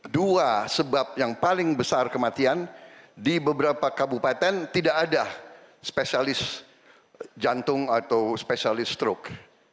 dua sebab yang paling besar kematian di beberapa kabupaten tidak ada spesialis jantung atau spesialis stroke